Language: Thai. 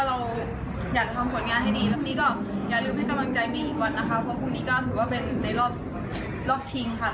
ก็อยากขอบคุณคนไทยค่ะที่ค่อยให้กำลังใจ